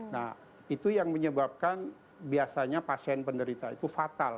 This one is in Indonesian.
nah itu yang menyebabkan biasanya pasien penderita itu fatal